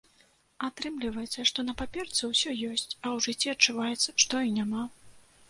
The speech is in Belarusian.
Атрымліваецца, што на паперцы ўсё ёсць, а ў жыцці адчуваецца, што і няма.